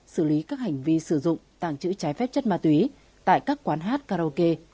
xử lý các hành vi sử dụng tàng trữ trái phép chất ma túy tại các quán hát karaoke